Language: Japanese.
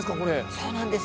そうなんです。